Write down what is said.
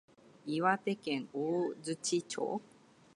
岩手県大槌町